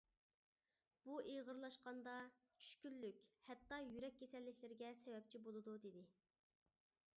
بۇ ئېغىرلاشقاندا چۈشكۈنلۈك ھەتتا يۈرەك كېسەللىكلىرىگە سەۋەبچى بولىدۇ دېدى.